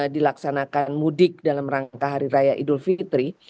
dilaksanakan mudik dalam rangka hari raya idul fitri